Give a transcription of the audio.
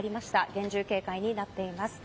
厳重警戒になっています。